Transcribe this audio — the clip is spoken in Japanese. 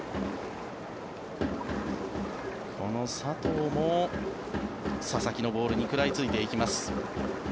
この佐藤も佐々木のボールに食らいついていきます。